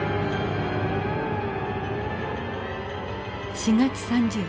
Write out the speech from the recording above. ４月３０日。